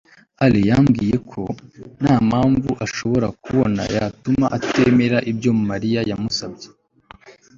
alain yambwiye ko nta mpamvu ashobora kubona yatuma atemera ibyo mariya yamusabye